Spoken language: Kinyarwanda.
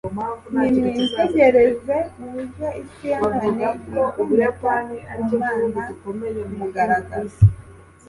Nimwitegereze uburyo isi ya none yigomeka ku Mana ku mugaragaro